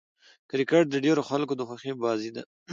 کرکټ د ډېرو خلکو د خوښي بازي ده.